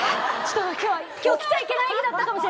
今日来ちゃいけない日だったかもしれないです。